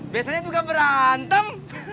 biasanya itu gak berantem